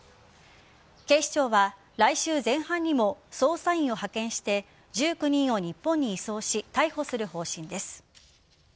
警視庁は来週前半にも捜査員を派遣して１９人を日本に移送し逮捕する方針です。